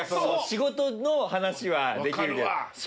仕事の話はできるけど。